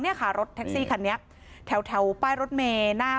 เนี่ยค่ะรถแท็กซี่คันนี้แถวป้ายรถเมย์หน้า